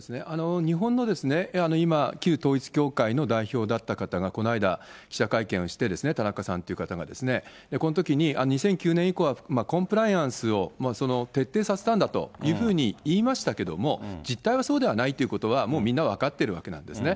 日本の今、旧統一教会の代表だった方が、この間記者会見をして、たなかさんという方がですね、このときに２００９年以降はコンプライアンスを徹底させたんだというふうに言いましたけれども、実態はそうではないということは、もうみんな分かっているわけなんですね。